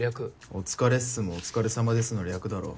お疲れっすもお疲れさまですの略だろ。